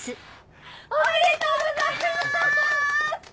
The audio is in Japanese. おめでとうございます！